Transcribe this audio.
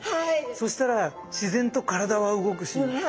そしたら自然と体は動くし波紋です。